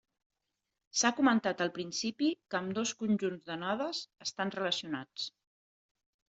S'ha comentat al principi que ambdós conjunts de nodes estan relacionats.